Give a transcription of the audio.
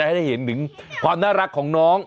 อยากให้ได้เห็นความน่ารักของน้อง